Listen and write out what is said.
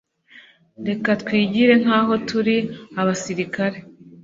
Reka twigire nkaho turi abasirikare